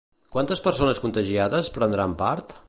Quantes persones contagiades prendran part?